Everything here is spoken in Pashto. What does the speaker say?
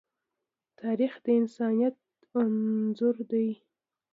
تاریخ د انسانیت انځور دی.